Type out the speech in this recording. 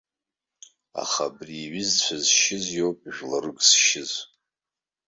Аха абри иҩызцәа зшьыз иоуп жәларык зшьыз!